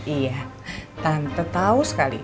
iya tante tau sekali